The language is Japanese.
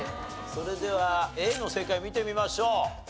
それではＡの正解見てみましょう。